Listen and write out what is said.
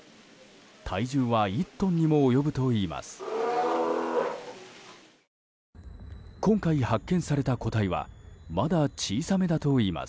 体重は１トンにも及ぶといいます。